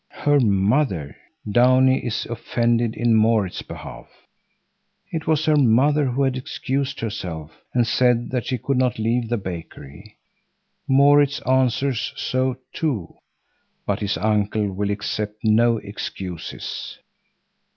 Her mother! Downie is offended in Maurits's behalf. It was her mother who had excused herself and said that she could not leave the bakery. Maurits answers so too, but his uncle will accept no excuses.